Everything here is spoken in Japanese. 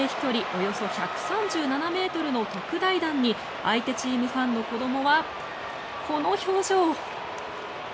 およそ１３７ｍの特大弾に相手チームファンの子どもはこの表情。